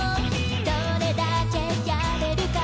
「どれだけやれるか」